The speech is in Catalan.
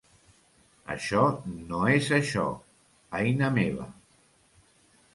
Això no és això, Aina meva!